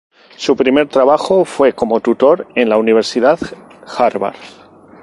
Su primer trabajo fue como tutor en la Universidad Harvard.